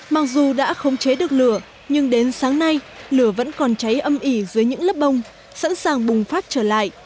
mặc dù đã khống chế được lửa nhưng đến sáng nay lửa vẫn còn cháy âm ỉ dưới những lớp bông sẵn sàng bùng phát trở lại